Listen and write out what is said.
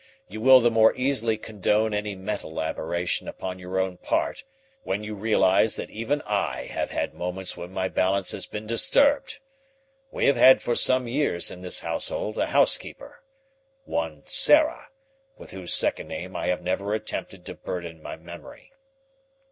You will the more easily condone any mental aberration upon your own part when you realize that even I have had moments when my balance has been disturbed. We have had for some years in this household a housekeeper one Sarah, with whose second name I have never attempted to burden my memory.